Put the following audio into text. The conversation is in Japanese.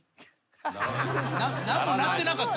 何も鳴ってなかった。